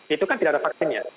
itu kan tidak ada vaksinnya